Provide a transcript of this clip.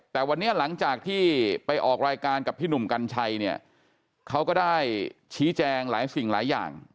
แต่วันนี้หลังจากที่ไปออกรายการกับพี่หนุ่มกัญชัยเนี่ยเขาก็ได้ชี้แจงหลายสิ่งหลายอย่าง